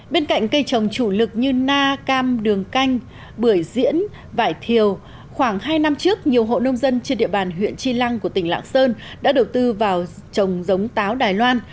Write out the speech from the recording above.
bên cạnh cây trồng chủ lực như na cam đường canh bưởi diễn vải thiều khoảng hai năm trước nhiều hộ nông dân trên địa bàn huyện tri lăng của tỉnh lạng sơn đã đầu tư vào trồng giống táo đài loan